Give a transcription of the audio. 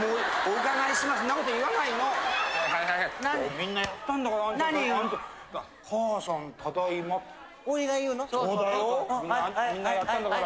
みんなやったんだから。